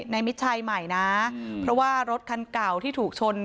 มิดชัยใหม่นะเพราะว่ารถคันเก่าที่ถูกชน